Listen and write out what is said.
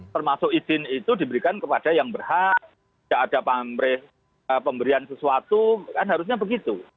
termasuk izin itu diberikan kepada yang berhak tidak ada pemberian sesuatu kan harusnya begitu